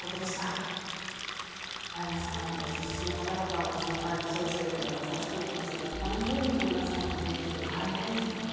人質の方々の心配もそうですけれどもガザ地区に暮らす一般住民の皆さんへの影響、気になりますね。